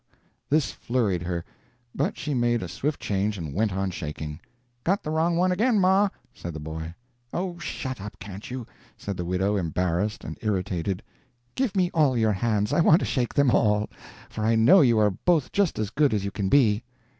This flurried her, but she made a swift change and went on shaking. "Got the wrong one again, ma," said the boy. "Oh, shut up, can't you!" said the widow, embarrassed and irritated. "Give me all your hands, I want to shake them all; for I know you are both just as good as you can be."